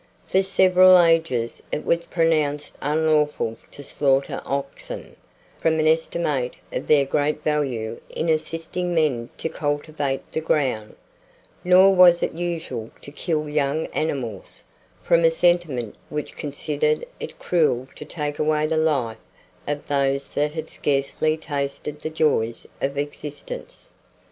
For several ages, it was pronounced unlawful to slaughter oxen, from an estimate of their great value in assisting men to cultivate the ground; nor was it usual to kill young animals, from a sentiment which considered it cruel to take away the life of those that had scarcely tasted the joys of existence.